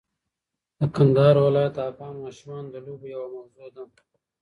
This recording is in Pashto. د کندهار ولایت د افغان ماشومانو د لوبو یوه موضوع ده.